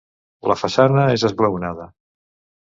La façana és esglaonada.